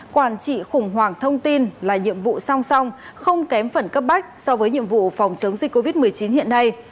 quản trị khủng hoảng thông tin là nhiệm vụ song song không kém phần cấp bách so với nhiệm vụ phòng chống dịch covid một mươi chín hiện nay